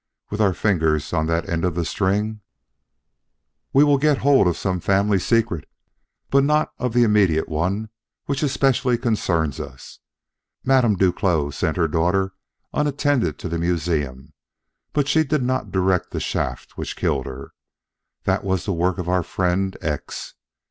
With our fingers on that end of the string " "We will get hold of some family secret, but not of the immediate one which especially concerns us. Madame Duclos sent her daughter unattended to the museum, but she did not direct the shaft which killed her. That was the work of our friend X.